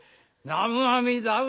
南無阿弥陀仏。